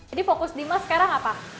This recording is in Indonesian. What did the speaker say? jadi fokus dimas sekarang apa